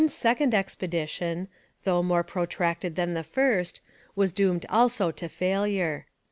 ] Hearne's second expedition, though more protracted than the first, was doomed also to failure.